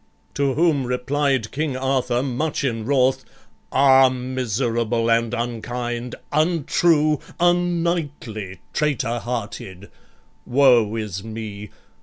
To whom replied King Arthur, much in wrath: "Ah, miserable and unkind, untrue, Unknightly, traitor hearted! Woe is me!